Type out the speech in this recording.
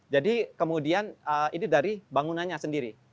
jadi kemudian ini dari bangunannya sendiri